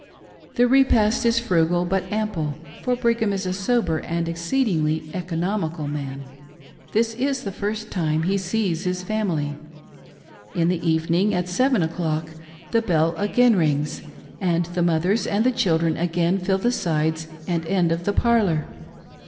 The repast is frugal but ample, for Brigham is a sober and exceedingly economical man. This is the first time he sees his family. In the even ing at seven o'clock the bell again rings, and the mothers and the children again fill the sides and end of the parlor.